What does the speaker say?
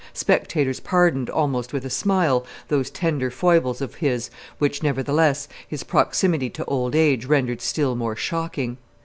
Spectators pardoned, almost with a smile, those tender foibles of his which, nevertheless, his proximity to old age rendered still more shocking.